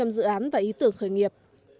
năm trăm linh dự án và ý tưởng khởi nghiệp